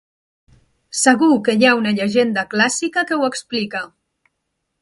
Segur que hi ha una llegenda clàssica que ho explica.